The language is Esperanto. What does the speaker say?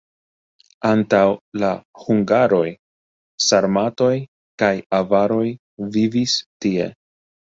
Antaŭ la hungaroj sarmatoj kaj avaroj vivis tie.